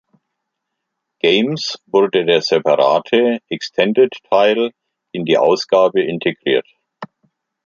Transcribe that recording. Games wurde der separate Extended-Teil in die Ausgabe integriert.